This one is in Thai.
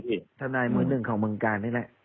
เพราะว่าตอนแรกมีการพูดถึงนิติกรคือฝ่ายกฎหมาย